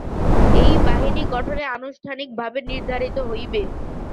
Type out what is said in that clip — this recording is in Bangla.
এই বাহিনী গঠনে আনুষ্ঠানিকভাবে নির্ধারিত হইবে।